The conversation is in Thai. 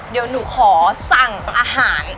เดี๋ยวหนูขอสั่งอาหาร